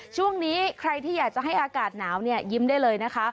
ช่วงนี้ใครที่อยากจะให้อากาศหนาวเนี่ยยิ้มได้เลยนะคะ